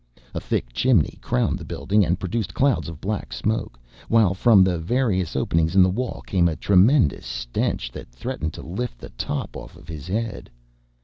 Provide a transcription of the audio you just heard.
A thick chimney crowned the building and produced clouds of black smoke, while from the various openings in the wall came a tremendous stench that threatened to lift the top off his head.